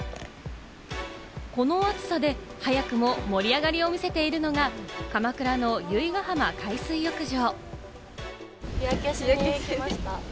この暑さで、早くも盛り上がりを見せているのが、鎌倉の由比ガ浜海水浴場。